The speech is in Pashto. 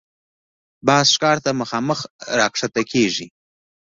باز ښکار ته مخامخ راښکته کېږي